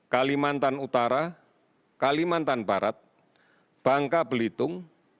kalimantan utara kalimantan barat bangka belitung